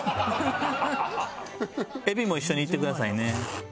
エビも一緒にいってくださいね。